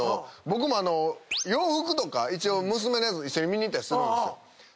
僕も洋服とか一応娘のやつ一緒に見に行ったりするんです。